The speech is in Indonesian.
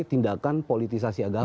tindakan politisasi agama